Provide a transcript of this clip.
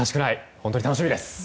本当に楽しみです！